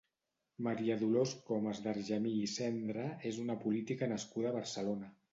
Maria Dolors Comas d'Argemir i Cendra és una política nascuda a Barcelona.